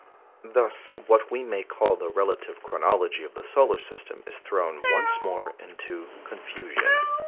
Thus, what we may call the relative chronology of the solar system is thrown once more into confusion.